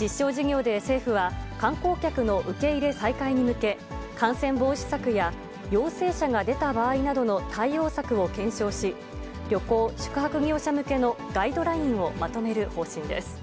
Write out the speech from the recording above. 実証事業で政府は、観光客の受け入れ再開に向け、感染防止策や陽性者が出た場合などの対応策を検証し、旅行・宿泊業者向けのガイドラインをまとめる方針です。